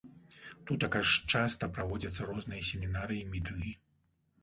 Тутака ж часта праводзяцца розныя семінары і мітынгі.